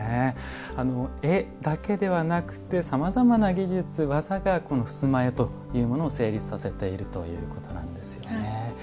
絵だけではなくてさまざまな技術技がこの襖絵というものを成立させているということなんですよね。